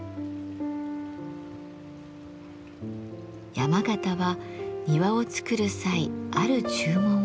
山縣は庭を作る際ある注文をしました。